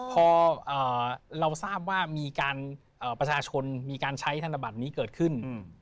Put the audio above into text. พอเราทราบว่ามีการประชาชนมีการใช้ธนบัตรนี้เกิดขึ้น